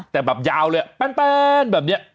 แต่แบบยาวเลยแป้นแบบนี้